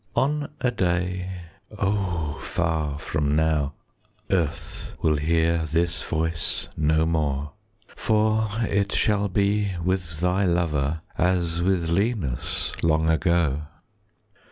On a day (Oh, far from now!) Earth will hear this voice no more; 10 For it shall be with thy lover As with Linus long ago.